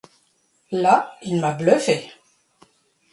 Là, il m'a bluffé.